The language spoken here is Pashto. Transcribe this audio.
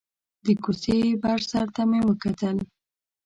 د کوڅې بر سر ته مې وکتل.